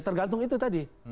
tergantung itu tadi